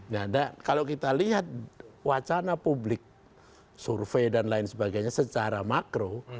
nah kalau kita lihat wacana publik survei dan lain sebagainya secara makro